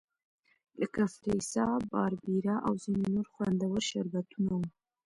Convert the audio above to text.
لکه فریسا، باربیرا او ځیني نور خوندور شربتونه وو.